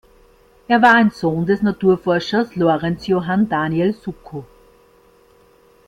Er war ein Sohn des Naturforschers Lorenz Johann Daniel Suckow.